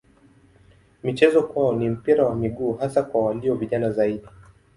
Michezo kwao ni mpira wa miguu hasa kwa walio vijana zaidi.